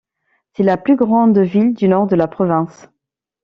C'est la plus grande ville du nord de la province.